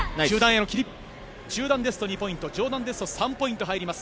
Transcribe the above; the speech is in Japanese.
中段ですと２ポイント上段ですと３ポイント入ります。